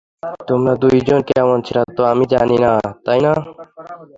তোমরা দুই-জন কেমন সেটা তো আমি জানি, তাই না?